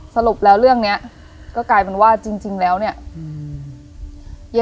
สรุปแล้วเรื่องนี้ก็กลายเป็นว่าจริงแล้วเนี่ย